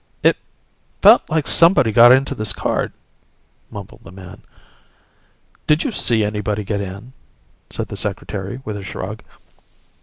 "It felt like somebody got into this car," mumbled the man. "Did you see anybody get in?" said the Secretary with a shrug.